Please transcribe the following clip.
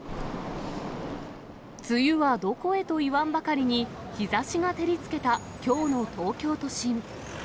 梅雨はどこへといわんばかりに、日ざしが照りつけたきょうの東京都心。